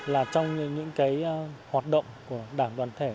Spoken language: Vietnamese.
là trong những hoạt động của đảng đoàn thể